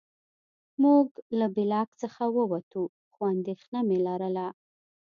موږ له بلاک څخه ووتو خو اندېښنه مې لرله